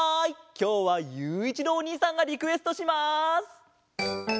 きょうはゆういちろうおにいさんがリクエストします。